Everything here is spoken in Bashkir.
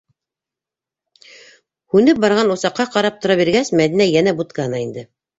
Һүнеп барған усаҡҡа ҡарап тора биргәс, Мәҙинә йәнә будкаһына инде.